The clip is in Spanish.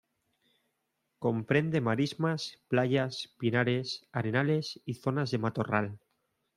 Comprende marismas, playas, pinares, arenales y zonas de matorral.